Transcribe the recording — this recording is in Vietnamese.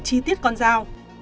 chi tiết con dao